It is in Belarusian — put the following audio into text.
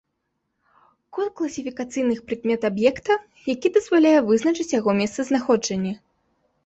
Код класіфікацыйных прыкмет аб'екта, які дазваляе вызначыць яго месцазнаходжанне.